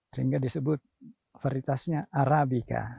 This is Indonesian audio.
sehingga disebut varietasnya arabica